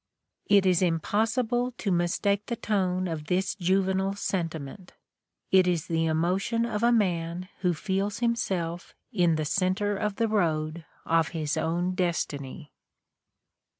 It is impossible to mistake the tone of this juvenile sentiment : it is the emotion of a man who feels himself in the center of the road of his own destiny.